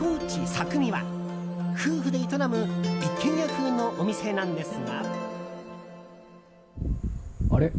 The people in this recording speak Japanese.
作美は夫婦で営む一軒家風のお店なんですが。